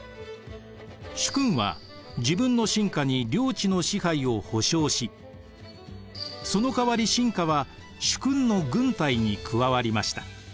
主君は自分の臣下に領地の支配を保証しそのかわり臣下は主君の軍隊に加わりました。